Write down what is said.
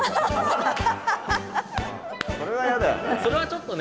それは嫌だよね。